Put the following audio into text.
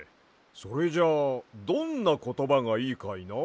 それじゃあどんなことばがいいかいな？